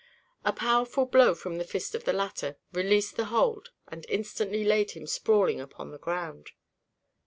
A powerful blow from the fist of the latter released his hold and instantly laid him sprawling upon the ground.